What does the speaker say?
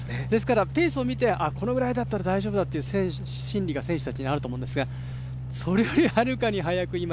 ですからペースを見て、このぐらいだったら大丈夫だという心理が選手たちにあると思うんですが、それよりはるかに速く